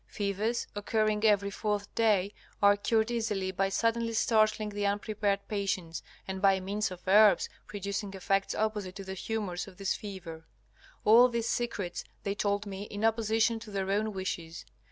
Fevers occurring every fourth day are cured easily by suddenly startling the unprepared patients, and by means of herbs producing effects opposite to the humors of this fever. All these secrets they told me in opposition to their own wishes.